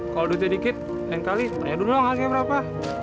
kalau duitnya dikit lain kali tanya dulu dong harganya berapa